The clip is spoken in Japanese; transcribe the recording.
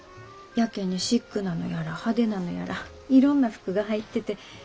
やけにシックなのやら派手なのやらいろんな服が入ってて。